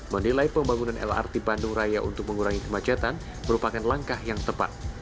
menilai pembangunan lrt bandung raya untuk mengurangi kemacetan merupakan langkah yang tepat